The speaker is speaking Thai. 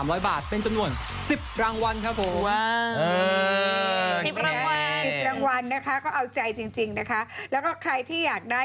รายค่า๗๓๐๐บาทเป็นจำนวนแสคชิ้นซัมตี๑๐รางวัล